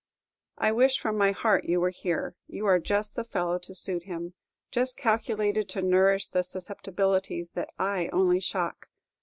I wish from my heart you were here; you are just the fellow to suit him, just calculated to nourish the susceptibilities that I only shock.